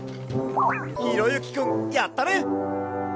ひろゆきくんやったね！